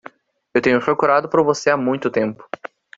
Eu tenho procurado por você há muito tempo.